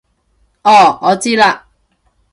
哦我知喇